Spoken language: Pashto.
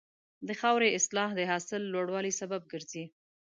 د خاورې اصلاح د حاصل لوړوالي سبب کېږي.